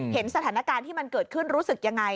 เห็นสถานการณ์ที่มันเกิดขึ้นรู้สึกยังไง